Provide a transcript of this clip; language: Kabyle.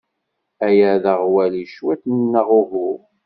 Aya d aɣwali cwiṭ neɣ uhu?